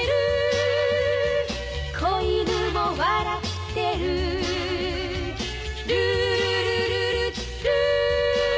「小犬も笑ってる」「ルールルルルルー」